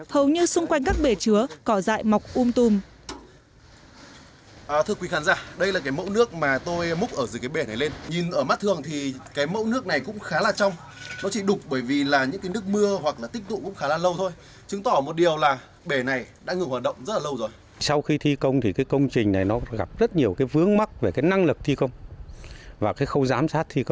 hầu như xung quanh các bể chứa cỏ dại mọc um tùm